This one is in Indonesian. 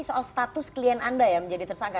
soal status klien anda ya menjadi tersangka